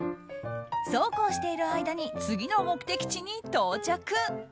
そうこうしている間に次の目的地に到着。